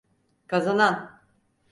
Kazanan.